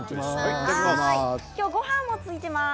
今日は、ごはんもついています。